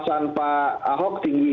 kekuasaan pak ahok tinggi